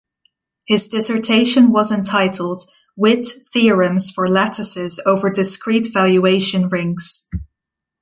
His dissertation was entitled "Witt Theorems for Lattices over Discrete Valuation Rings".